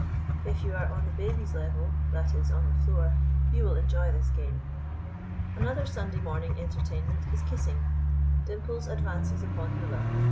If you are on the babies' level (that is on the floor), you will enjoy this game. Another Sunday morning entertainment is kissing. Dimples advances upon Lulla.